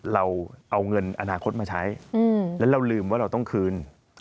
เราเอาเงินอนาคตมาใช้แล้วเราลืมว่าเราต้องคืน